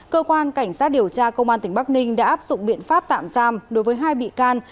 cơ quan cảnh sát điều tra công an tỉnh bắc ninh đã áp dụng biện pháp tạm giam đối với hai bị can